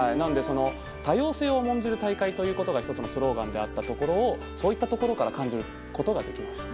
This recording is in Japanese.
多様性を重んじる大会というのが１つのスローガンであったところをそういったところから感じることができました。